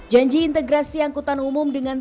janji integrasi angkutan umum dengan